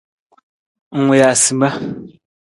Ng wii asima.